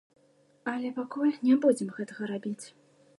Але пакуль не будзем гэтага рабіць.